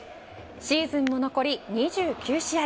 シーズンも残り２９試合。